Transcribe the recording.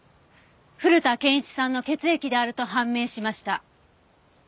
古田憲一さんの血液であると判明しました。